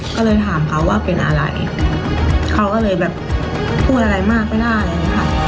ก็เลยถามเขาว่าเป็นอะไรเขาก็เลยแบบพูดอะไรมากไม่ได้ค่ะ